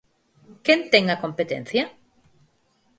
¿Quen ten a competencia?